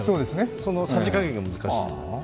そのさじ加減が難しい。